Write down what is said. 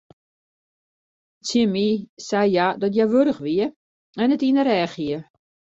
Tsjin my sei hja dat hja wurch wie en it yn de rêch hie.